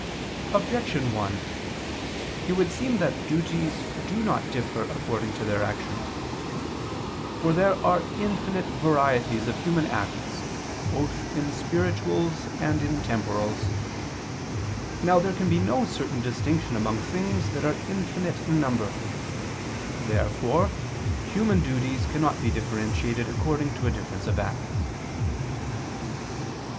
Objection 1: It would seem that duties do not differ according to their actions. For there are infinite varieties of human acts both in spirituals and in temporals. Now there can be no certain distinction among things that are infinite in number. Therefore human duties cannot be differentiated according to a difference of acts.